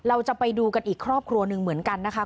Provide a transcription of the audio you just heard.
เราจะไปดูกันอีกครอบครัวหนึ่งเหมือนกันนะคะ